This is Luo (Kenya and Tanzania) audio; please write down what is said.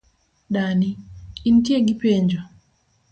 Dani, intie gi penjo?